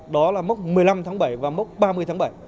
đó là mốc một mươi năm tháng bảy và mốc ba mươi tháng bảy